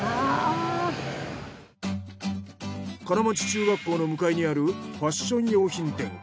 金町中学校の向かいにあるファッション洋品店